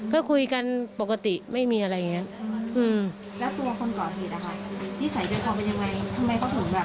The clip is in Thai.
ก็คุยกันปกติสิไม่มีอะไรอย่างงี้